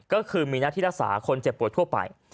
ก็คือมีหน้าที่รักษาคนเจ็บปวดทั่วไป